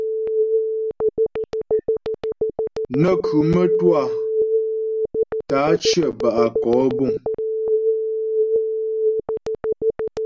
Nə́ khʉ mə́twâ tə́ á cyə bə́ á kɔ'ɔ buŋ.